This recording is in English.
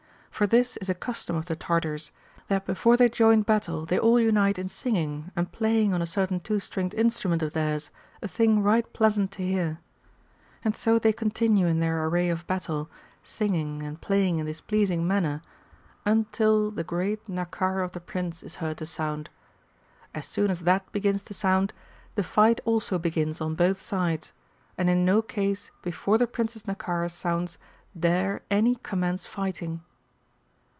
For this is a custom of the Tartars, that before they join battle they all unite in singing and playing on a certain two stringed instrument of theirs, a thing right pleasant to hear. And so they continue in their array of battle, singing and playing in this pleasing manner, until the VOL. L Y 338 MARCO POLO Book II. great Naccara of the Prince is heard to sound. As soon as that begins to sound the fight also begins on both sides ; and in no case before the Prince's Naccara sounds dare any commence fighting.